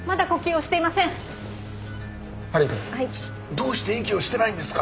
どうして息をしてないんですか？